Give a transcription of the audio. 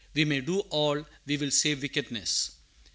"We may do all we will save wickedness."